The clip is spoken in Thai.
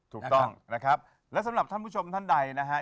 ถูกต้องนะครับและสำหรับท่านผู้ชมท่านใดนะฮะ